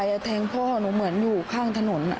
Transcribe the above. มันโหดเกินไปแทงพ่อหนูเหมือนอยู่ข้างถนน